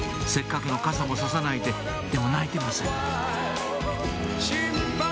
せっかくの傘も差さないででも泣いてません